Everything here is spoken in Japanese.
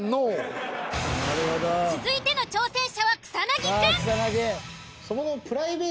続いての挑戦者は草薙くん。